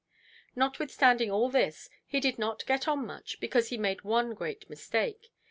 Notwithstanding all this, he did not get on much, because he made one great mistake.